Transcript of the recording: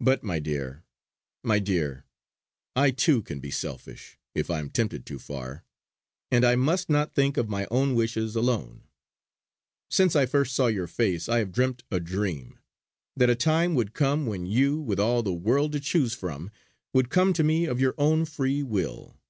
But, my dear! my dear! I too can be selfish if I am tempted too far; and I must not think of my own wishes alone. Since I first saw your face I have dreamt a dream. That a time would come when you, with all the world to choose from, would come to me of your own free will.